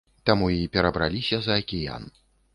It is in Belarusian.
Таму і перабраліся за акіян.